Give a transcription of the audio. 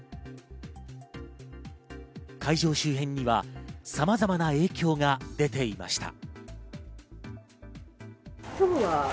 会場周辺にはさまざまな影響が出ていました。